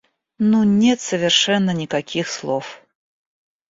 Ну нет совершенно никаких слов.